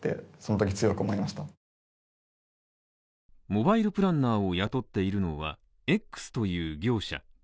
モバイルプランナーを雇っているのは、Ｘという業者。